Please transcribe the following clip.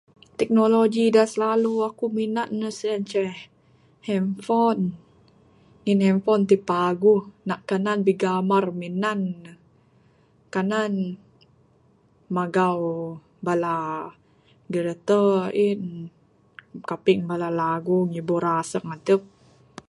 Teknoloji da slalu akuk minant ne sien ceh hanfon, ngin hanfon tik paguh. Nak kanan bigambar minan ne. Kanan magau bala gerator ain, kaping bala lagu ngibur asung adup.